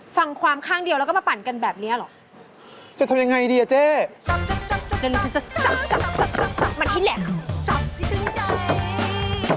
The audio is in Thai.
ฟังความข้างเดียวแล้วก็มาปั่นกันแบบนี้เหรอจะทำยังไงดีอ่ะเจ๊จะ